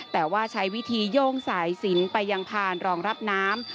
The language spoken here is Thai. แต่ว่าใช้วิธีโย่งสายสินไปยังพานรองรับน้ำ